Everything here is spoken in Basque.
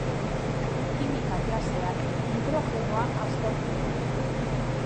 Kimika klasean hidrogenoa aztertu dugu.